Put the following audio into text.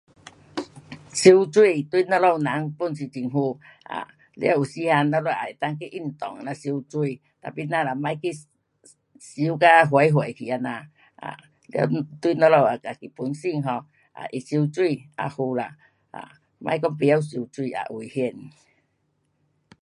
游泳对我们人 pun 是很好，um 了有时啊我们也能够去运动这样游泳，tapi 咱就别去游到远远去这样。um 对我们自己本身 um，会游泳好啦，um 别讲不会游泳，也危险。